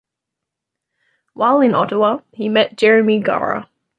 While in Ottawa he met Jeremy Gara.